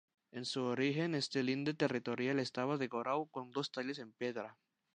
En su origen, este linde territorial estaba decorado con dos tallas en piedra.